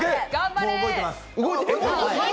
もう動いてます。